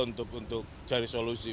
untuk cari solusi